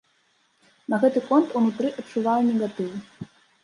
На гэты конт унутры адчуваю негатыў.